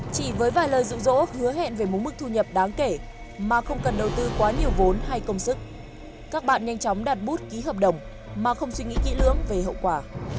chỉ với vài lời dụ dỗ hứa hẹn về một mức thu nhập đáng kể mà không cần đầu tư quá nhiều vốn hay công sức các bạn nhanh chóng đạt bút ký hợp đồng mà không suy nghĩ kỹ lưỡng về hậu quả